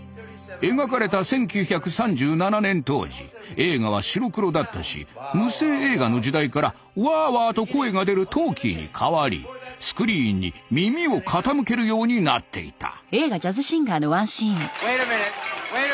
描かれた１９３７年当時映画は白黒だったし無声映画の時代からワーワーと声が出るトーキーに変わりスクリーンに耳を傾けるようになっていた。